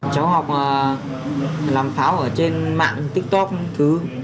cháu học làm pháo ở trên mạng tiktok